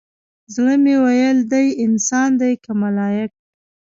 زړه مې ويل دى انسان دى كه ملايك؟